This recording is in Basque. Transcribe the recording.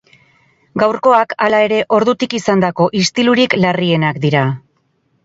Gaurkoak, hala ere, ordutik izandako istilutik larrienak dira.